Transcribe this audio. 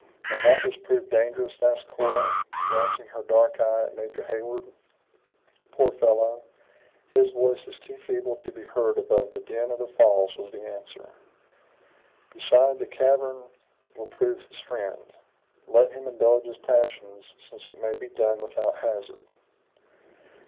"May not this prove dangerous?" asked Cora, glancing her dark eye at Major Heyward. "Poor fellow! his voice is too feeble to be heard above the din of the falls," was the answer; "beside, the cavern will prove his friend. Let him indulge his passions since it may be done without hazard."